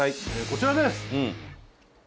こちらです。